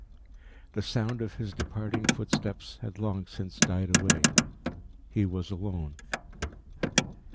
The sound of his departing footsteps had long since died away. He was alone.